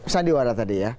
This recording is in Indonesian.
sandiwara tadi ya